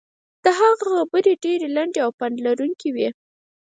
د هغه خبرې ډېرې لنډې او پند لرونکې وې.